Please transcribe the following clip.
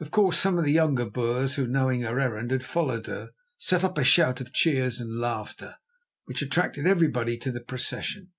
Of course, some of the younger Boers, who, knowing her errand, had followed her, set up a shout of cheers and laughter, which attracted everybody to the procession.